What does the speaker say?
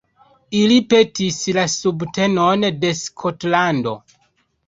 Ili petis la subtenon de Skotlando.